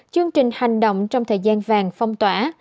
chương trình hành động trong thời gian vàng phong tỏa